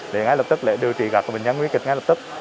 để ngay lập tức để điều trị các bệnh nhân nguy kịch ngay lập tức